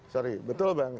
sorry betul bang